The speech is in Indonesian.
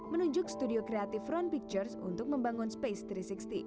menunjuk studio kreatif front pictures untuk membangun space tiga ratus enam puluh